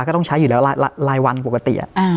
ก็ต้องใช้อยู่แล้วรายวันปกติ